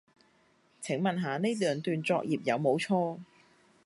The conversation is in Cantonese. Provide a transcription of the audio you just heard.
請問下呢兩段作業有冇錯